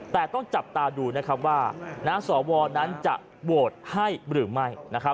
แต่ต้องจับตาดูนะครับว่าสวนั้นจะโหวตให้หรือไม่